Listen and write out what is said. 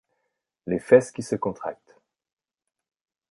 les fesses qui se contractent.